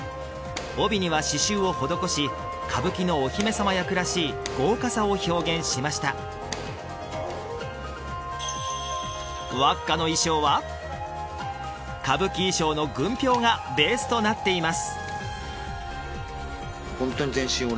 帯には刺しゅうを施し歌舞伎のお姫様役らしい豪華さを表現しましたワッカの衣装は歌舞伎衣装の軍兵がベースとなっています